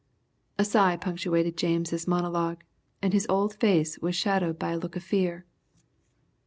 A sigh punctuated James' monologue, and his old face was shadowed by a look of fear.